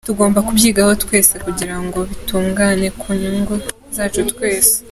Tugomba kubyigaho twese kugira ngo bitungane ku nyungu zacu twese”.